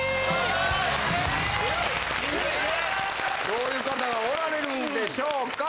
どういう方がおられるんでしょうか。